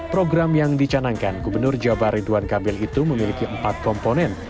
program yang dicanangkan gubernur jabar ridwan kamil itu memiliki empat komponen